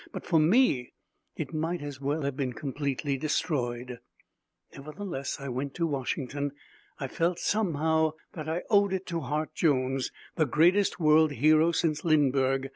But for me it might as well have been completely destroyed. Nevertheless, I went to Washington. I felt somehow that I owed it to Hart Jones, the greatest world hero since Lindbergh.